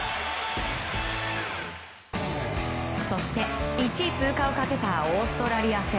そして１位通過をかけたオーストラリア戦。